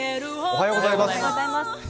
おはようございます。